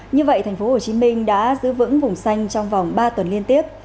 như vậy thành phố hồ chí minh đã giữ vững vùng xanh trong vòng ba tuần liên tiếp